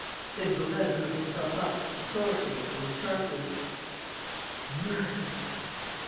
Then Gourel drew himself up, authoritatively and sharply: "Murdered!